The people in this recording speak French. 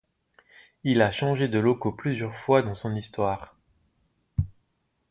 Il a changé de locaux plusieurs fois dans son histoire.